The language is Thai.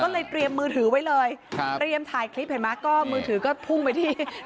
ก็เลยเตรียมมือถือไว้เลยครับเตรียมถ่ายคลิปเห็นไหมก็มือถือก็พุ่งไปที่